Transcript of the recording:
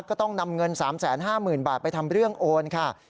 ก็ต้องนำเงิน๓๕๐๐๐บาทไปทำเรื่องโอนค่ะ